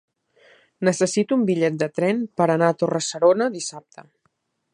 Necessito un bitllet de tren per anar a Torre-serona dissabte.